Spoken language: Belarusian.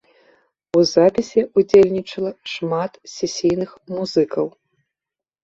У запісе ўдзельнічала шмат сесійных музыкаў.